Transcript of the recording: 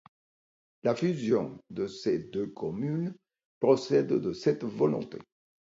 La fusion de ces deux communes procède de cette volonté.